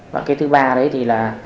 và cái thứ ba đấy thì là